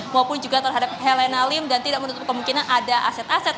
maupun juga terhadap helena lim dan tidak menutup kemungkinan ada aset aset